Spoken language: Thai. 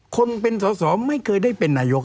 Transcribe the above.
คนเป็นสอสอไม่เคยได้เป็นนายก